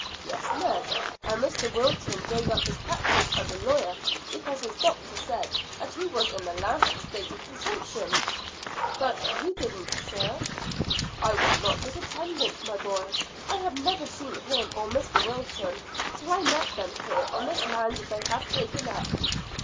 "Yes, Ned, and Mr Wilton gave up his practice as a lawyer because his doctor said that he was in the last stage of consumption." "But you didn't, sir." "I was not his attendant, my boy. I had never seen him or Mr Wilton till I met them here on this land they have taken up."